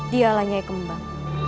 dia lanyai kembar